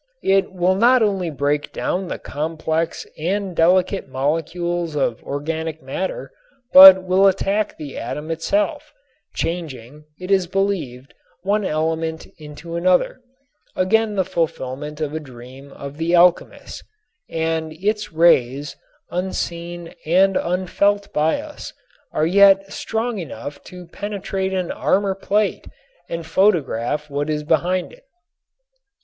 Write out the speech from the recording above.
It will not only break down the complex and delicate molecules of organic matter but will attack the atom itself, changing, it is believed, one element into another, again the fulfilment of a dream of the alchemists. And its rays, unseen and unfelt by us, are yet strong enough to penetrate an armorplate and photograph what is behind it.